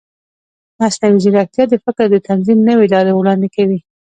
مصنوعي ځیرکتیا د فکر د تنظیم نوې لارې وړاندې کوي.